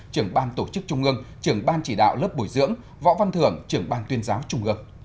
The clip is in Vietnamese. trưởng ban tổ chức trung ương trưởng ban chỉ đạo lớp bồi dưỡng võ văn thưởng trưởng ban tuyên giáo trung ương